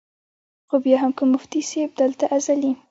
خو بیا هم کۀ مفتي صېب دلته ازلي ،